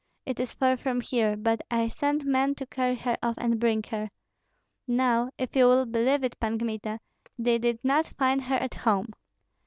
It is far from here; but I sent men to carry her off and bring her. Now, if you will believe it, Pan Kmita, they did not find her at home."